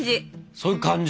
そういう感じ。